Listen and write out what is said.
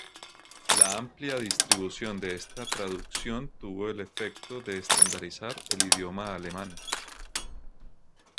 La amplia distribución de esta traducción tuvo el efecto de estandarizar el idioma alemán.